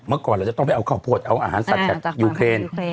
ก่อนเราจะต้องไปเอาข้าวโพดเอาอาหารสัตว์จากยูเครน